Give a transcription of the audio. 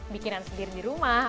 bikinan sendiri di rumah